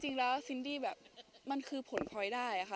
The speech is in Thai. จริงแล้วซินดี้แบบมันคือผลพลอยได้ค่ะ